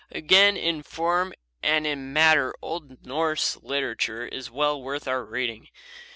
Again, in form and in matter old Norse literature is well worth our reading.